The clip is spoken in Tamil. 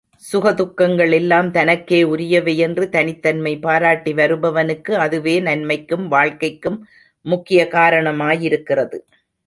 சுக துக்கங்கள் எல்லாம் தனக்கே உரியவை என்று தனித்தன்மை பாராட்டி வருபவனுக்கு, அதுவே நன்மைக்கும் வாழ்க்கைக்கும் முக்கியமான காரணமாயிருக்கிறது.